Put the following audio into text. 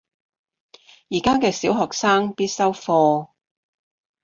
而家嘅小學生必修課